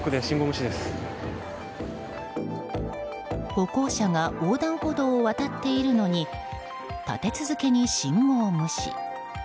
歩行者が横断歩道を渡っているのに立て続けに信号無視。